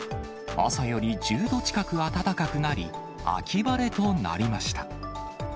朝より１０度近く暖かくなり、秋晴れとなりました。